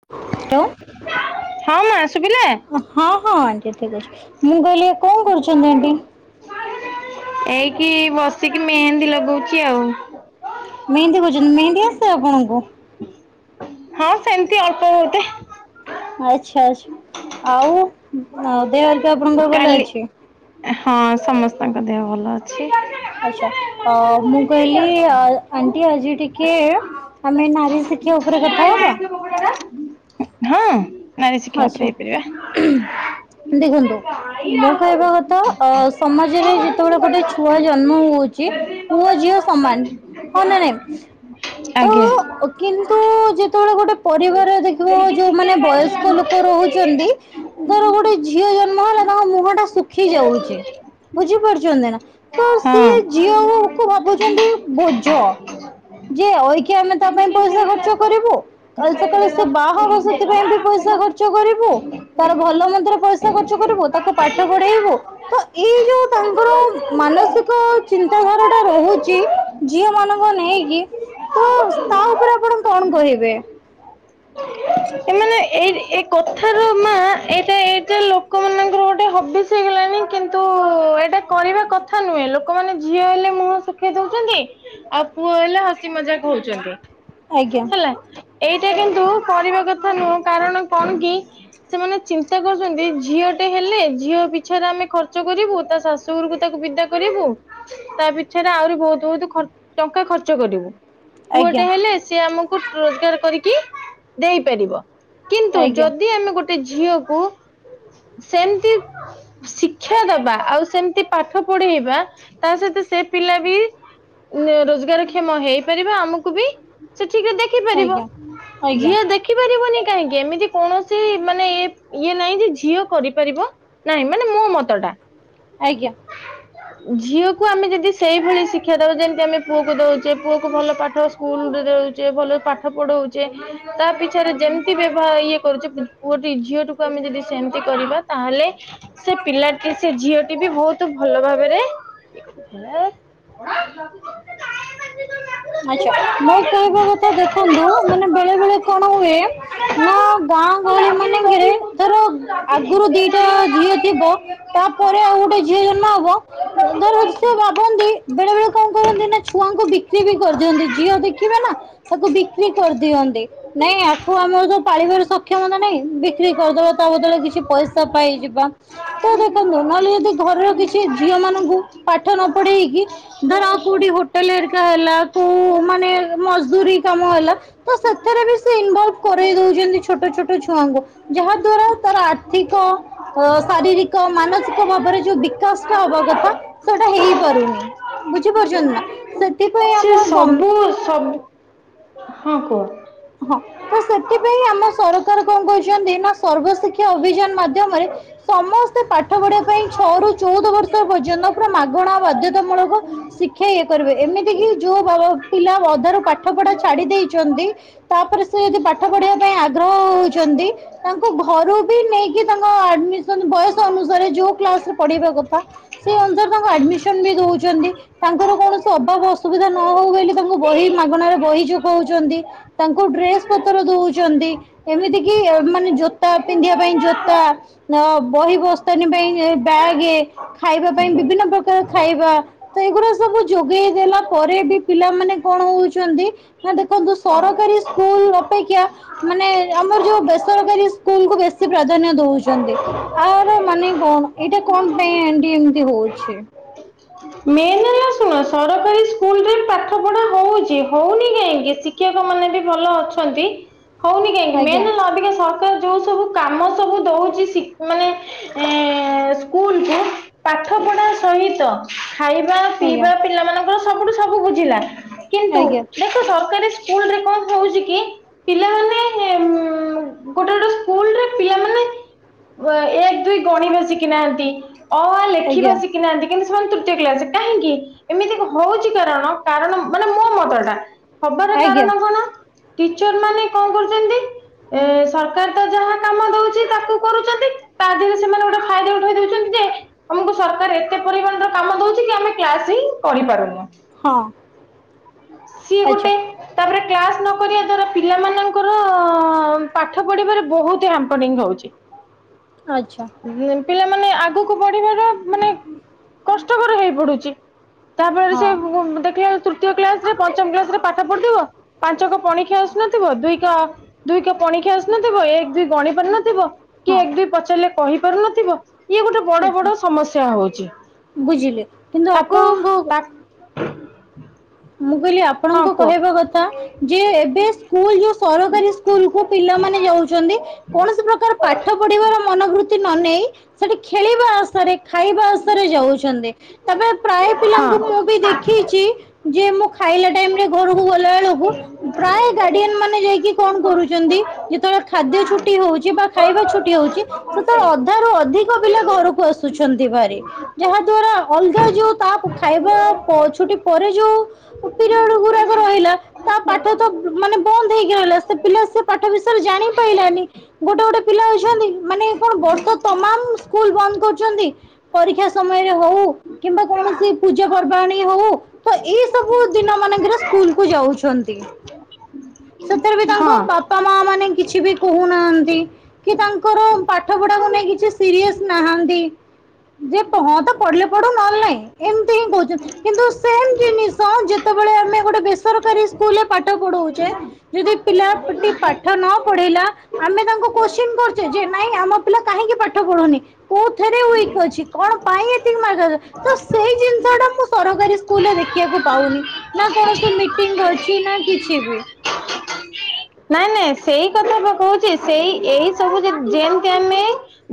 [unintelligible] ଆ ଶୁବି ଲା? ହଁ ହଁ ଆଣ୍ଟି ଠିକ ଅଛି, ମୁଁ କହିଲି କଣ କରୁଛନ୍ତି ଆଣ୍ଟି? ଏଇକି ବସିକି ମେହେନ୍ଦୀ ଲଗଉଛି ଆଉ। ମେହନ୍ଦୀ କରୁଛନ୍ତି ମେହେନ୍ଦୀ ଆସେ ଆପଣଙ୍କୁ? ହଁ ସେମତି ଅଳ୍ପ ବହୁ ତେ। ଆଚ୍ଛା ଆଛା, ଆଉ ଦେହ ହେରିକ ଆପଣଙ୍କ ଭଲ କାଲି ଅଛି? ହଁ ସମସ୍ତଙ୍କ ଦେହ ଭଲ ଅଛି। ଆଛା ଅ ମୁଁ କହିଲି ଆଣ୍ଟି ଆଜି ଟିକେ ଆମେ ନାରୀ ଶିକ୍ଷା ଉପରେ କଥା ହବା? ହଁ। ନାରୀ ଶିକ୍ଷା ଉପରେ ଆଛା। ହେଇପାରିବା ଦେଖନ୍ତୁ ମୁଁ କହିବା କଥା ଅ ସମାଜରେ ଯେତେବେଳେ ଗୋଟେ ଛୁଆ ଜନ୍ମ ହଉ ହଁ ନା ନାଇଁ ତ ଆଜ୍ଞା। କିନ୍ତୁ ଯେତେବେଳେ ଗୋଟେ ପରିବାରରେ ଦେଖିବ ଯୋଉମାନୋନେ ବୟସ୍ କ ଲୋକ ରହୁଛନ୍ତି ଦର ଗୋଟେ ଝିଅ ଜନ୍ମ ହେଲା ତାଙ୍କ ମୁହଁ ଟା ଶୁଖି ଯାଉଛି। ବୁଝି ପାରୁଛନ୍ତି ନା ତ ସିଏ ହଁ। ଝିଅ କୁ ଭାବୁଛନ୍ତି ବୋଝ। ଯେ ଅଇକି ଆମେ ତା ପାଇଁ ପଇସା ଖର୍ଚ୍ଚ କରିବୁ। କାଲି ସକାଳେ ସେ ବାହା ବ ସେଥିପାଇ ବି ପଇସା ଖର୍ଚ୍ଚ କରିବୁ। ତାର ଭଲ ମନ୍ଦରେ ପଇସା ଖର୍ଚ୍ଚ କରିବୁ ତାକୁ ପାଠ ପଢେଇବୁ। ତ ଏଇ ଯୋଉ ତାଙ୍କର ମାନସିକ ଚିନ୍ତାଧାରା ଟା ରହୁଛି ଝିଅ ମାନଙ୍କ ନେଇକି ତ ତା ଉପରେ ଆପଣ କଣ କହିବେ? ଏ ମାନେ ଏଇ ଏ କଥାର ମା ଏଇଟା ଏଇଟା ଲୋକ ମାନଙ୍କର ଗୋଟେ ହ ବିଶ ହେଇଗଲାଣି। ଓ ଏଇଟା କରିବା କଥା ନୁହେଁ ଲୋକମାନେ ଝିଅ ହେଲେ ମୁହଁ ଶୁଖେଇ ଦଉଛନ୍ତି। ଆଉ ପୁଅ ହେଲେ ହସି ମଜା କ ହଉଛନ୍ତି ଆଜ୍ଞା ହେଲା। ଏଇଟା କିନ୍ତୁ କରିବା କଥା ନୁହଁ କାରଣ କଣ କି ସେମାନେ ଚିନ୍ତା କରୁଛନ୍ତି, ଝିଅ ଟେ ହେଲେ ଝିଅ ପିଛାରେ ଆମେ ଖର୍ଚ୍ଚ କରିବୁ। ତା ଶାଶୁଘରକୁ ତାକୁ ବିଦା କରିବୁ। ତା ପିଛରେ ଆହୁରି ବହୁତ ବହୁତ ଖ ଟଙ୍କା ଖର୍ଚ୍ଚ କରିବୁ। ପୁଅ ଟେ ଆଜ୍ଞା ହେଲେ ସି ଆମକୁ ରୋଜଗାର କରିକି ଦେଇପାରିବ। କିନ୍ତୁ ଆଜ୍ଞା ଯଦି ଆମେ ଗୋ ଟେ ଝିଅକୁ ସେମିତି ଶିକ୍ଷା ଦବା ଆଉ ସେମିତି ପାଠ ପଢେଇବା ତା ସହିତ ସେ ପିଲା ବି ଉଁ ରୋଜଗାରକ୍ଷମ ହେଇପାରିବ, ଆମକୁ ବି ସେ ଠିକରେ ଦେଖି ଆଜ୍ଞା ପାରିବ, ଆଜ୍ଞା ଆଜ୍ଞା ଯିଏ ଦେଖ ରଖିପାରିବନି କାହିଁକି, ଏମିତି କୌଣସି ମାନେ ଇଏ ଇଏ ନାହିଁ ଯେ ଝିଅ କରିପାରିବ। ନାଇଁ ମାନେ ମୋ ମତ ଟା। ଆଜ୍ଞା। ଝିଅକୁ ଆମେ ଯଦି ସେଇଭଳି ଶିକ୍ଷା ଦବା ଯେମିତି ଆମେ ପୁଅକୁ ଦଉଛେ ପୁଅକୁ ଭଲ ପାଠ ସ୍କୁଲରେ ରଉଛେ ଭଲ ପାଠ ପଢଉଛେ ତା ପିଛରେ ଯେମିତି ବ୍ୟବ ଇଏ କରୁଛେ। ପୁଅଟି ଝିଅଟିକୁ ଆମେ ଯଦି ସେମିତି କରିବା ତାହେଲେ ସେ ପିଲାଟି ସେ ଝିଅ ସିଏ ବି ବହୁତ ଭଲ ଭାବରେ, ହେ [inaudible] ଆଛା ମୋ କହିବା କଥା ଦେଖନ୍ତୁ, ମାନେ ବେଳେ ବେଳେ କଣ ହୁଏ। ନା ଗାଁ ଗହଳି ମାନେଙ୍କରେ ଧର ଆଗରୁ ଦିଟା ଝିଅ ଥିବ। ତାପରେ ଆଉ ଗୋଟେ ଝିଅ ଜନ୍ମ ହବ ଧର ସେ ଭାବନ୍ତି ବେଳେ ବେଳେ କଣ କରନ୍ତି ନାଁ ଛୁଆଙ୍କୁ ବି କ୍ରି ବି କରିଦିଅନ୍ତି, ଝିଅ ଦେଖିବେ ନାଁ ତାକୁ ବିକ୍ରି କରିଦିଅନ୍ତି। ନାଇଁ ଆକୁ ଆମର ଯୋଉ ପାଳିବାର ସକ୍ଷମତା ନାଇଁ, ବିକ୍ରି କରିଦବା ତା ବଦଳରେ କିଛି ପଇସା ପାଇଯିବା। ତ ଦେଖନ୍ତୁ ନାହେଲେ ଯଦି ଘରର କିଛି ଝିଅ ମାନଙ୍କୁ ପାଠ ନ ପଢେଇକି ଧର ଆଉ କୋଉଠି ହୋଟେଲ ଯାହା ହେଲା କୋଉ ମାନେ ମଜଦୁରୀ କାମ ହେଲା। ତ ସେଥିରେ ବି ସେ ଇନଭଲଭ କରେଇ ଦଉଛନ୍ତି ଛୋଟ ଛୋଟ ଛୁଆଙ୍କୁ। ଯାହା ଦ୍ଵାରା ତାର ଆର୍ଥିକ ଅ ଶାରୀରିକ ମାନସିକ ଭାବରେ ଯୋଉ ବିକାଶ ଟା ହବା କଥା ସେଟା ହେଇପାରୁନି ବୁଝିପାରୁଛନ୍ତି ନା। ସେଥିପାଇଁ ଆମ ସେ ଗମ୍ ସବୁ ସବୁ ହଁ କୁହ? ହଁ ତ ସେଥିପାଇଁ ଆମ ସରକାର କଣ କହିଛନ୍ତି ନାଁ ସର୍ବଶିକ୍ଷା ଅଭିଯାନ ମାଧ୍ୟମରେ ସମସ୍ତେ ପାଠ ପଢିବା ପାଇଁ ଛଅରୁ ଚଉଦ ବର୍ଷ ପର୍ଯ୍ୟନ୍ତ ପୁରା ମାଗଣାଉ ବାଧ୍ୟତାମୂଳକ ଶି କ୍ଷା ଇଏ କରିବେ ଏମିତି କିି ଯୋଉ ବାବା ପିଲା ଅଧାରୁ ପାଠ ପଢା ଛାଡି ଦେଇଛନ୍ତି। ତାପରେ ସେ ଯଦି ପାଠ ପଢିବା ପାଇଁ ଆଗ୍ରହ ହଉଛନ୍ତି। ତାଙ୍କୁ ଘରୁ ବି ନେଇକି ତାଙ୍କ ଆଡ଼ମିଶନ ବୟସ ଅନୁସାରେ ଯୋଉ କ୍ଲାସ ରେ ପଢିବା କଥା, ସେହି ଅନୁସାରେ ତାଙ୍କୁ ଆଡ଼ମିସନ୍ ବି ଦଉଛନ୍ତି। ତାଙ୍କର କୌଣସି ଅଭାବ ଅସୁବିଧା ନ ହଉ ବୋଲି ତାଙ୍କୁ ବହି ମାଗଣାରେ ବହି ଯୋଗଉଛନ୍ତି। ତାଙ୍କୁ ଡ୍ରେସ୍ ପତର ଦଉଛନ୍ତି, ଏମିତି କି ମାନେ ଜୋତା ପିନ୍ଧିବା ପାଇଁ ଜୋତା। ଅ ବହି ବସ୍ତାନୀ ପାଇଁ ଏ ବ୍ୟାଗ ଖାଇବା ପାଇଁ ବିଭିନ୍ନ ପ୍ରକାର ଖାଇବା। ତ ଏଗୁରା ସବୁ ଯୋଗେଇ ଦେଲା ପରେ ବି ପିଲାମାନେ କଣ ହଉଛନ୍ତି, ନାଁ ଦେଖନ୍ତୁ ସରକାରୀ ସ୍କୁଲ ଅପେକ୍ଷା ମାନେ ଆମର ଯୋଉ ବେସରକାରୀ ସ୍କୁଲ କୁ ବେଶୀ ପ୍ରାଧାନ୍ୟ ଦଉଛନ୍ତି। ଆର ମାନେ କଣ ଏଇଟା କଣ ପାଇଁ ଏମତି ଏମତି ହଉଛି। [inaudible] ମେନ୍ ହେଲା ଶୁଣ ସରକାରୀ ସ୍କୁଲରେ ପାଠପଢ଼ା ହଉଛି ହଉନି କାହିଁକିଷ ଶିକ୍ଷକ ମାନେ ବି ଭଲ ଅଛନ୍ତି ହଉନି କାହିଁକି ଆଜ୍ଞା ମେନ୍ ହେଲା ଅଧିକା ସରକାର ଯୋଉ ସବୁ କାମ ସବୁ ଦଉଛି ମାନେ ସ୍କୁଲ କୁ ପାଠ ପଢା ସହିତ ଖାଇବା ଆଜ୍ଞା ପିଇବା ପିଲାମାନଙ୍କ ସବୁଠୁ ସବୁ ବୁଝିଲା କିନ୍ତୁ ଆଜ୍ଞା ଦେଖ ସରକାରୀ ସ୍କୁଲରେ କଣ ହଉଛି କି ପିଲାମାନେ ଗୋଟେ ଗୋଟେ ସ୍କୁଲରେ ପିଲାମାନେ ଏକ ଦୁଇ ଗଣିବା ଶିଖିନାହାନ୍ତି ଅହା ଲେଖିବା ଆଜ୍ଞା ଶିଖି ନାହାନ୍ତି କିନ୍ତୁ ତୃତ କଲାସ କାହିଁକି ଏମିତି ହଉଛି କାରଣ କାରଣ ମାନେ ମୋ ମତ ଟା ହବାର ଆଜ୍ଞା କାରଣ କଣ ଟିଚର ମାନେ କଣ କରୁଛନ୍ତି ଏ ସରକାର ତ ଯାହା କାମ ଦଉଛି ତାକୁ କରୁଛନ୍ତି ତା ଦେହରେ ସେମାନେ ଗୋଟେ ଫାଇଦା ଉଠେଇ ଦଉଛନ୍ତି ଯେ [inaudible] ଆମକୁ ସରକାର ଏତେ ପରିମାଣ ର କାମ ଦଉଛି କି ଆମେ କ୍ଲାସ ହିଁ କରିଢ ପାରୁନ। ହଁ। ସି ଆଚ୍ଛା ଗୋଟେ ତାପରେ [inaudible] କ୍ଲାସ ନ କରିବା ଦ୍ୱାରା ପିଲାମାନଙ୍କର ପାଠ ପଢିବାରେ ବହୁତ ହ୍ୟାମ୍ପରିଂ ହଉଛି। ଆଚ୍ଛା। ପିଲାମାନେ ଆଗକୁ ବଢିବାର ମାନେ [inaudible] କଷ୍ଟକର ହେଇ ପଡୁଛି। ତା ଫଳ ରେ ସେ ହଁ ଦେଖିଲା ବେ ତୃତୀୟ କ୍ଲାସ ରେ ପଞ୍ଚମ କ୍ଲାସ ରେ ପାଠ ପଢିଥିବ ପାଞ୍ଚ କ ପଣିଖିଆ ଆସୁନଥିବ ଦୁଇ କ ଦୁଇ କ ପଣିଖିଆ ଆସୁନଥିବ, ଏକ ଦୁଇ ଗଣି ପାରୁନଥିବ, କି ଏକ ଦୁଇ ପଚାରିଲେ କହି ପାରୁନଥିବ ଇଏ ଗୋଟେ ବଡ ହଁ ବଡ ସମସ୍ୟା ହଉଛି। ବୁଝିଲି କିନ୍ତୁ ତାକୁ ଆପଣଙ୍କ ପା ମୁଁ କହିଲି ହଁ ଆପଣଙ୍କ କୁହ କହିବା କଥା ଯେ ଏବେ ସ୍କୁଲ ଯୋଉ ସରକାରୀ ସ୍କୁଲ କୁ ପିଲାମାନେ ଯାଉଛନ୍ତି କୌଣସି ପ୍ରକାର ପାଠ ପଢିବାର ମନ ବୃ ତି ନ ନେଇ ସେଠି ଖେଳିବା ଆଶାରେ, ଖାଇବା ଆଶାରେ ଯାଉଛନ୍ତି ତା ପରେ ପ୍ରାୟ ହଁ ପିଲାଙ୍କୁ ମୁଁ ବି ଦେଖିଛି ଯେ ମୁଁ ଖାଇଲା ଟାଇମ ରେ ଘରକୁ ଗଲା ବେଳକୁ ପ୍ରାୟ ଗାର୍ଡିଆନ ମାନେ ଯାଇକି କଣ କରୁଛନ୍ତି ଯେତେବେଳେ ଖାଦ୍ୟ ଛୁଟି ହଉଛି ବା ଖାଇବା ଛୁଟି ହଉଛି ସେତେବେଳେ ଅଧାରୁୁ ଅଧିକ ପିଲା ଘରକୁ ଆସୁଛନ୍ତି ଭାରି ଯାହା ଦ୍ଵାରା ଅଲଗା ଯୋଉ ତା ଖାଇବା ପ ଛୁଟି ପରେ ଯୋଉ ପିରିଅଡ ଗୁରାକ ରହିଲା ତା ପାଠ ତ ମାନେ ବନ୍ଦ ହେଇକି ରହିଲା ସେ ପିଲା ସେ ପାଠ ବିଷୟରେ ଜାଣି ପାଇଲାନି ଗୋଟେ ଗୋଟେ ପିଲା ଅଛନ୍ତି ମାନେ କଣ ବର୍ଷ ତମାମ ସ୍କୁଲ ବନ୍ଦ କରୁଛନ୍ତି। ପରୀକ୍ଷା ସମୟରେ ହଉ କିମ୍ବା କୌଣସି ପୂଜା ପର୍ବାଣିୀ ହଉ ତ ଏଇ ସବୁ ଦିନ ମାନଙ୍କରେ ସ୍କୁଲ କୁ ଯାଉଛନ୍ତି। ସେଥିରେ ବି ତାଙ୍କ ହଁ। ବାପା ବାପା ମା ମାନେ କିଛି ବି କହୁନାହାନ୍ତି କି ତାଙ୍କର ପାଠ ପଢାକୁ ନେଇ କିଛି ସିରିଅସ ନାହାନ୍ତି ଯେ ହଁ ତ ପଢିଲେ ପଢୁ ନଅଲେ ନାହିଁ ଏମିତି ହିଁ କହୁଛନ୍ତି। କିନ୍ତୁ ସେମ ଜିନିଷ ଯେତେବେଳେ ଆମେ ଗୋଟେ ବେସରକାରୀ ସ୍କୁଲ ରେ ପାଠ ପଢଉଛେ ଯଦି ପିଲାଟି ପାଠ ନ ପଢିଲା ଆମେ ତାଙ୍କୁ କୋତ୍ସିନ କରୁଛେ ଯେ ନାଇଁ ଆମ ପିଲା କାହିଁକି ପାଠ ପଢୁନି? କୋଉଥେରେ ୱିକ ଅଛି କଣ ପାଇଁ ଏତିକି ମାର୍କ ର ତ ସେଇ ଜିନିଷ ଟା ମୁଁ ସରକାରୀ ସ୍କୁ କୁଲ ରେ ଦେଖିବାକୁ ପାଉନି ନା କୌଣସି ମିଟିଂ ଅଛି ନା କିଛି ବି, ସେ ସେଇ କଥା ବା କହୁଛି ସେଇ ଏଇ ସବୁ ଯେମି ଯେମିତି ଆମେ,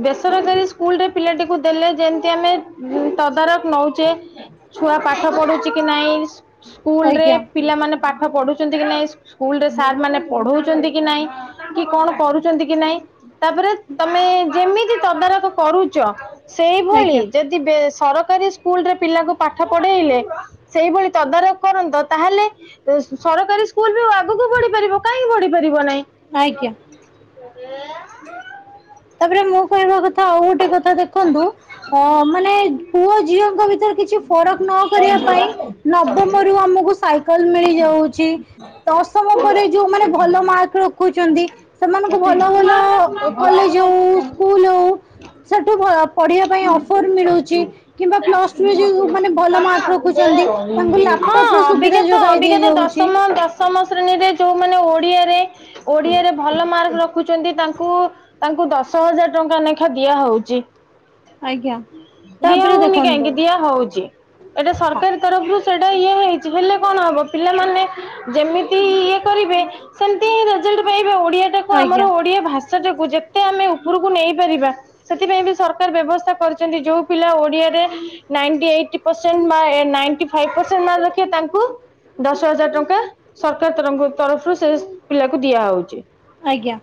ବେସରକାରୀ ସ୍କୁଲ ରେ ପିଲାଟିକୁ ଦେଲେ ଯେମିତି ଆମେ ତଦାରଖ ନଉଛେ, ଛୁଆ ପାଠ ପଢ଼ୁଛି କି ନାଇଁ, ସ୍କୁଲ ରେ ଆଜ୍ଞା ପିଲାମାନେ ପାଠ ପଢ଼ୁଛନ୍ତି କି ନାଇଁ ସ୍କୁଲ ରେ ସାର୍ ମାନେ ପଢ଼ ଉଛନ୍ତି କି ନାଇଁ କି କଣ କରୁଛନ୍ତି କି ନାଇଁ, ତା ପରେ ତମେ ଯେମିତି ତଦାରଖ କରୁଛ ସେଇଭଳି ଆଜ୍ଞା ଯେ, ବେ ସରକାରୀ ସ୍କୁଲରେ ପିଲାକୁ ପାଠ ପଢ଼େଇଲେ, ସେଇଭଳି ତଦାରଖ କରନ୍ତ ତାହେଲେ ଏ ସରକାରୀ ସ୍କୁଲ ବି ଆଗକୁ ବଢ଼ି ପାରିବ କାହିଁକି ବଢି଼, ପାରିବ ନାଇଁ, ଆଜ୍ଞା ତା ପରେ ମୁଁ କହିବା କଥା ଆଉ ଗୋଟେ କଥା ଦେଖନ୍ତୁ, ଅ ମାନେ ପୁଅ ଝିଅଙ୍କ ଭିତରେ କିଛି ଫରକ ନ କରିବା ପାଇଁ, ନବମ ରୁ ଆମକୁ ସାଇ କଲ ମିଳିଯାଉଛି ଦଶମ ପରେ ଯୋଉ ମାନେ ଭଲ ମାର୍କ ରଖ୍ ଖୁଛନ୍ତି ସେମାନଙ୍କୁ ଭଲ-ଭଲ କଲେଜ୍ ହଉ ସ୍କୁଲ ହଉ, ସେଠୁ ଭୟ ପଢ଼ିବା ପାଇଁ ଅଫର ମିଳୁଛି କିମ୍ବା ପ୍ଲସ୍ ଟୁ ରେ ଯେଉ ମାନେ ଭଲ ମାର୍କ ର ରଖୁଛନ୍ତି ତାଙ୍କୁ [unintelligible] ହଁ ଲାପଟପ ସୁବିଧା ଯୋଗାଇ ଅଭିଜ୍ଞାତ-ଅଭିଜ୍ଞାତ ଦିଆଯାଉଛି ଦଶମ ଦଶ ତମ ଶ୍ରେଣୀରେ ଯୋଉମାନେ ଓଡ଼ିଆରେ-ଓଡ଼ିଆରେ ଭଲ ମାର୍କ ରଖୁଛନ୍ତି ତାଙ୍କୁ, ତାଙ୍କୁ ଦଶ ହଜାର ଟଙ୍କା ଲେଖା ଦିଆ ହଉଛି, ଆଜ୍ଞା। ଦିଆ ତାପରେ ହଉନି ଦେଖନ୍ତୁ କାହିଁକି ଦିଆ ହଉଛି, ଏଇଟା ହଁ ସରକାରୀ ତରଫରୁ ସେଇଟା ଇଏ ହେଇଛି ହେଲେ କଣ ହବ ପିଲାମାନେ, ଯେମିତି ଇଏ କରିବେ ସେମତି ରେଜଲଟ ପାଇବେ ଓଡିଆ ଟାକୁ ଆଜ୍ଞା ଆମର ଓଡିଆ ଭାଷ୍ ଚାଷକୁ ଯେତେ ଆମେ ଉପରକୁ ନେଇପାରିବା, ସେଥିପାଇଁ ବି ସରକାର ବ୍ୟବସ୍ଥା କରିଛନ୍ତି ଯୋଉ ପିଲା ଓଡିଆରେ ନାଇଣ୍ଟି ଏଇଟି, ପସେଡ୍ ମାଏ ନାଇଟି ଫାଇଫ ପସେଟ୍ ମାର୍କ ରଖିବେ ତାଙ୍କୁ, ଦଶ ହଜାର ଟଙ୍କା ସରକାର ତରଙ୍ଖୁ ତରଫରୁ ସେ ପିଲାକୁ ଦିଆ ହଉଛି, ଆଜ୍ଞା,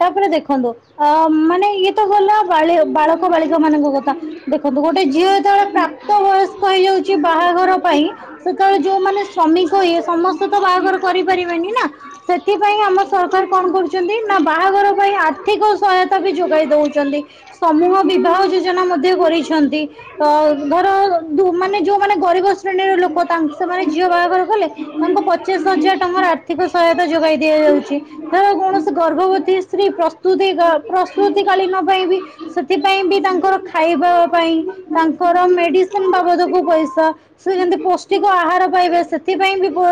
ତାପରେ ଦେଖନ୍ତୁ ଅ ମାନେ ଇଏ ତ ଗଲା, ବାଳିଅ ବାଳକ ବାଳିକ ମାନଙ୍କ କଥା ଦେଖନ୍ତୁ ଗୋଟେ ଝିଅ ଯେତେବେଳେ ପ୍ରାପ୍ତ ବୟସ୍ କହି ଯାଉଛି ବାହାଘର ପାଇଁ, ସେତେବେଳେ ଯୋଉମାନେ ଶ୍ରମିକ ଇଏ ହୁଏ ସମସ୍ତେ ତ ବାହାଘର କରିପାରିବେନି ନା, ସେଥିପାଇଁ ଆମ ସରକାର କଣ କରୁଛନ୍ତି, ନା ବାହାଘର ପାଇଁ ଆର୍ଥିକ ସହାୟତା ବି ଯୋଗାଇ ଦଉଛନ୍ତି। ସମୂହ ବିବାହ ଯୋଜନା ମଧ୍ୟ କରିଛନ୍ତି। ଅ ଧର ଦୁ ମାନେ ଯୋଉମାନେ ଗରିବ ଶ୍ରେଣୀର ଲୋକ ତାଙ୍କ୍ ସେମାନେ ଝିଅ ବାହାଘର କଲେ, ତାଙ୍କୁ ପଚିଶ୍ ହଜାର ଟଙ୍କାର ଆର୍ଥିକ ସହାୟତା ଯୋଗାଇ ଦିଆଯାଉଛି ଧାର କୌଣସ୍ ଗର୍ଭବତୀ ସ୍ତ୍ରୀ ପ୍ରସ୍ତୁତି ଗ ପ୍ରସ୍ତୁତି କାଳୀନ ପାଇଁ ବି, ସେଥିପାଇଁ ବି ତାଙ୍କର ଖାଇବା ପାଇଁ ତାଙ୍କର ମେଡିସିନ ବାବଦକୁ ପଇସା, ସେ ଯେମତି ପୌଷ୍ଟିକ ଆହାର ପାଇବେ ସେଥିପାଇଁ ବି ପୋ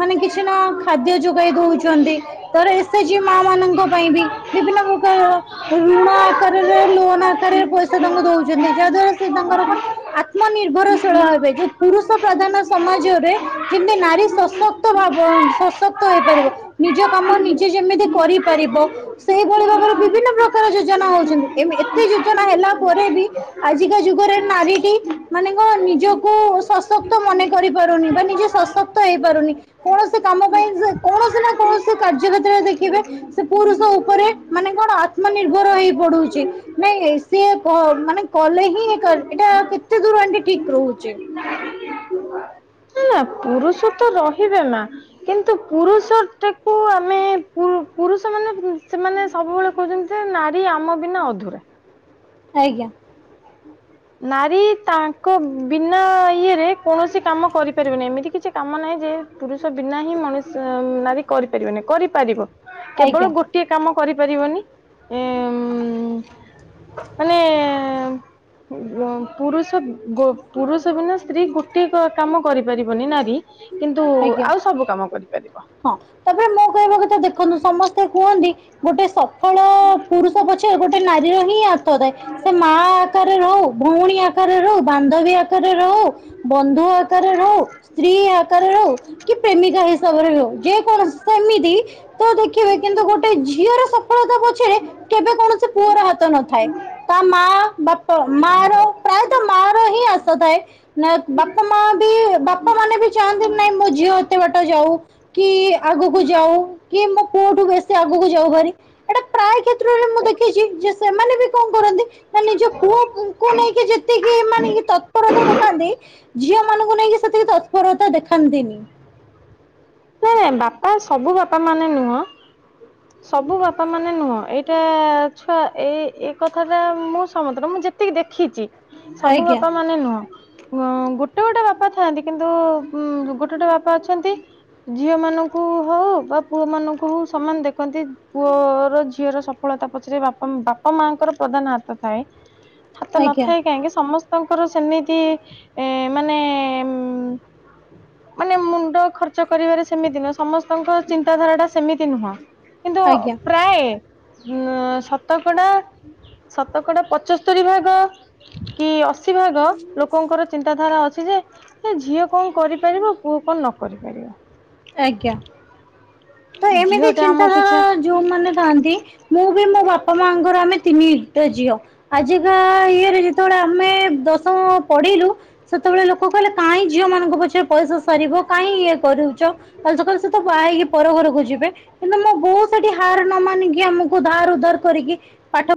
ମାନେ କିଛି ନା ଖାଦ୍ୟ ଯୋଗାଇ ଦଉଛନ୍ତି ତର ଏସେଜ୍ କି ମା ମାନଙ୍କ ପାଇଁ ବି ବିଭିନ୍ନ ପ୍ରକାର, ଋଣ ଆକାରରେ ଲୋନ ଆକାରରେ ପଇସା ତାଙ୍କୁ ଦଉଛନ୍ତି ଯାହା ଦ୍ଵାରା ସେ ତାଙ୍କର କଣ, ଆତ୍ମନିର୍ଭରଶୀଳ ହେବେ ଯୋଉ ପୁରୁଷ ପ୍ରଧାନ ସମାଜରେ, ଯେମତି ନାରୀ ସଶକ୍ତ ଭାବ ସଶକ୍ତ ହେଇପାରିବ ନିଜ କାମ ନିଜେ ଯେମିତି, କରିପାରିବ। ସେଇଭଳି ଭାବରେ ବିଭିନ୍ନ ପ୍ରକାର ଯୋଜନା ହଉଛନ୍ତି ଏତେ ଯୋଜନା ହେଲା ପରେ ବି ଆଜିିକା ଯୁଗରେ ନାରୀଟି ମାନେ କଣ ନିଜକୁ ସଶକ୍ତ ମନେ କରି ପାରୁନି ବା ନିଜେ ସଶକ୍ତ ହେଇ ପାରୁନି। କୌଣସି କାମ ପାଇଁ କୌଣସି ନା କୌଣସି କାର୍ଯ୍ୟ କେତ୍ରରେ ଦେଖିବେ ସେ ପୁରୁଷ ଉପରେ ମାନେ କଣ ଆତ୍ମନିର୍ଭର ହେଇ ପଡୁଛି। ନାଇଁ ସିଏ ମାନେ କଲେ ହିଁ ଏଟା କେତେ ଦୂର ଆଣ୍ଟି ଠିକ ରହୁଛି? ନା ପୁରୁଷ ତ ରହିବେ ମା। କିନ୍ତୁ ପୁରୁଷ ଟାକୁ ଆମେ ପୁରୁଷ ମାନେ ସେମାନେ ସବୁବେଳେ କହୁଛନ୍ତି ଯେ ନାରୀ ଆମ ବିନା ଅଧୁରା। ଆଜ୍ଞା। ନାରୀ ତାଙ୍କ ବିନା ଇଏରେ କୌଣସି କାମ କରିପାରିବନି ଏମିତି କିଛି କାମ ନାହିଁ ଯେ ପୁରୁଷ ବିନା ହିଁ ମଣିଷ ନାରୀ କରିପାରିବେନି କରିପାରିବ ଆଜ୍ଞା କେବଳ ଗୋଟେ ଗୋଟିଏ କାମ କରିପାରିବନି ମାନେ ପୁରୁଷ ପୁରୁଷ ବିନା ସ୍ତ୍ରୀ ଗୋଟେ କାମ କରିପାରିବନି ନାରୀ। କିନ୍ତୁ ଆଜ୍ଞା ଆଉ ସବୁ କାମ କରିପାରିବ। ହଁ ତାପରେ ମୋ କହିବା କଥା ଦେଖନ୍ତୁ ସମ ତ କୁହନ୍ତି ଗୋଟେ ସଫଳ ପୁରୁଷ ପଛରେ ଗୋଟେ ନାରୀର ହିଁ ହାତ ଥାଏ। ସେ ମା ଆକାରରେ ହଉ ଭଉଣୀ ଆକାରରେ ହଉ ବାନ୍ଧବୀ ଆକା ଆକାରରେ ହଉ ବନ୍ଧୁ ଆକାରରେ ହଉ ସ୍ତ୍ରୀ ଆକା ହଉ କି ପ୍ରେମିକା ହିସାବରେ ହଉ ଯେ କୌଣସି ସେମିତି ତ ଦେଖିବେ କିନ୍ତୁ ଗୋଟେ ଝିଅର ସଫଳତା ପଛରେ କେବେ କୌଣସି ପୁଅର ହାତ ନଥାଏ। ତା ମା ବା ତ ମା ର ପ୍ରାୟତଃ ମା ର ହିଁ ଆସଥାଏ ନା ବାପା ମା ବି ବାପା ମାନେ ମୁ ଚାହାନ୍ତି ନାଇଁ ମୋ ଝିଅ ଏତେ ବାଟ ଯାଉ କି ଆଗକୁ ଯାଉ କି ମୁଁ ପୁଅଠୁ ବେଶୀ ଆଗକୁ ଯାଉ ଭାରି ଏଟା ମୁଁ ପ୍ରାୟ କ୍ଷେତ୍ରରେ ମୁଁ ଦେଖିଛି ଯେ ସେମାନେ ବି କଣ କରନ୍ତି ନିଜ ପୁଅକୁ ନେଇକି ଯେତିକି ମାନେ ତପରତା ଦେଖାନ୍ତି ଝିଅ ମାନଙ୍କୁ ନେଇକି ସେତିକି ତତ୍ପରତା ଦେଖାନ୍ତିନି। ଏ ବାପା ସବୁ ବାପା ମାନେ ନୁହଁ। ସବୁ ବାପା ମାନେ ନୁହଁ ଏଇଟା ଛୁଆ ଏ ଏ କଥାଟା ମୁଁ ସହମତରେ ମୁଁ ଯେ ଜେତିକି ଦେଖିଛି ସବୁ ଆଜ୍ଞା ବାପା ମାନେ ନୁହଁ। ଗୋଟେ ଗୋଟେ ବାପା ଥାଆନ୍ତି କିନ୍ତୁ ଗୋଟେ ଗୋଟେ ବାପା ଅଛନ୍ତି। ଝିଅ ମାନଙ୍କୁ ହଉ ବା ପୁଅ ମାନଙ୍କୁ ହଉ ସମାନ ଦେ କୁହନ୍ତି ପୁଅର ଝିଅର ସଫଳତା ପଛରେ ବାପା ବାପା ମାଙ୍କର ପ୍ରଧାନ ହାତ ଥାଏ। ହାତ ଆଜ୍ଞା ନଥାଏ କାହିଁକି ସମସ୍ତଙ୍କର ସେମିତି ଏ ମାନେ ମାନେ ମୁଣ୍ଡ ଖର୍ ଖର୍ଚ୍ଚ କରିବାରେ ସେମିତି ନୁହଁ ସମସ୍ତଙ୍କ ଚିନ୍ତାଧାରା ଟା ସେମିତି ନୁହଁ କିନ୍ତୁ ଆଜ୍ଞା ପ୍ରାୟ ହଁ ଶତକଡା ଶତକଡା ପଚସ୍ତରୀ ଭାଗ କି ଅଶୀ ଭାଗ ଲୋକଙ୍କର ଚିନ୍ତାଧାରା ଅଛି ଯେ ଏ ଝିଅ କଣ କରିପାରିବ ପୁଅ କଣ ନକରି ପାରିବ? ଆଜ୍ଞା ତ ଏମିତି ଝିଅ ଟା ଆମ ଚିନ୍ତାଧାରା ପିଛା ଯୋଉମାନେ ଥାଆନ୍ତି, ମୁଁ ବି ମୋ ବାପା ମାଆଙ୍କର ଆମେ ତିନିଟା ଝିଅ। ଆଜିକା ଇଏରେ ଯେତେବେଳେ ଆମେ ଦଶମ ପଢିଲୁ ସେତୋବେଳେ ଲୋକ କହିଲେ କାଇଁ ଝିଅମାନଙ୍କ ପଛରେ ପଇସା ସାରିବ କାଇଁ ଇଏ କରୁଚ। ତ ବାହା ହେଇକି ପର ଘରୁକୁ ଯିବେ। କିନ୍ତୁ ମୋ ବୋଉ ସେଠି ହାର ନମାନିକି ଆମୁକୁ ଧାର ଉଧାର କରିକି ପାଠ